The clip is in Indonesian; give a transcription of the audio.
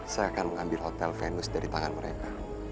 saya akan mengambil hotel venus dari tangan mereka